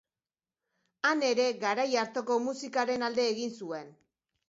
Han ere garai hartako musikaren alde egin zuen.